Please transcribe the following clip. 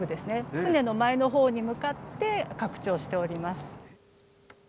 船の前のほうに向かって拡張しております。